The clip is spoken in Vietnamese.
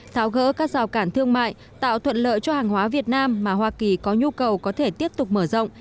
tháo gỡ các rào cản thương mại tạo thuận lợi cho hàng hóa việt nam mà hoa kỳ có nhu cầu có thể tiếp tục mở rộng